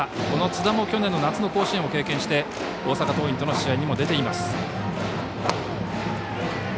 この津田も去年の夏の甲子園を経験して大阪桐蔭との試合にも出ています。